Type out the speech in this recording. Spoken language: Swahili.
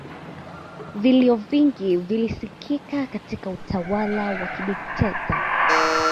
vilio vingi vilisikika katika utawala wa kidikteta